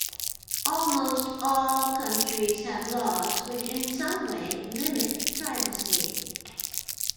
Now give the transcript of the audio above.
Almost all countries have laws which in some way limit privacy.